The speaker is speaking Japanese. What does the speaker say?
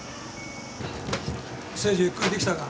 誠治ゆっくりできたか。